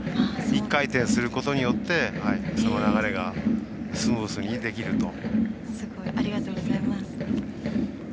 １回転することによってその流れがスムーズにできると。